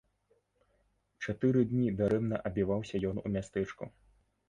Чатыры дні дарэмна абіваўся ён у мястэчку.